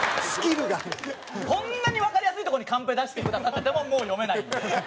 こんなにわかりやすい所にカンペ出してくださっててももう読めないんで。